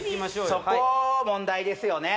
そこ問題ですよね